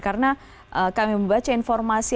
karena kami membaca informasi